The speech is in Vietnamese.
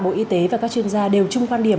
bộ y tế và các chuyên gia đều chung quan điểm